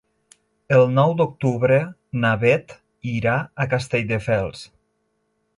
El nou d'octubre na Bet irà a Castelldefels.